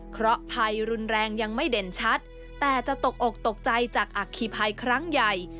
เพราะภัยรุนแรงยังไม่เด่นชัดแต่จะตกอกตกใจจากอัคคีภัยครั้งใหญ่